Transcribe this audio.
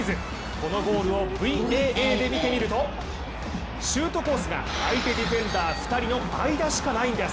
このゴールをＶＡＡで見てみるとシュートコースが、相手ディフェンダー２人の間しかないんです。